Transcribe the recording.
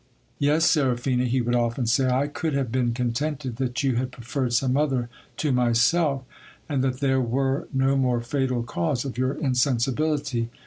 Yes, Seraphina, he would often say, I could have been contented that you had preferred some other to myself, and that there were no more fatal cause of your insensibility.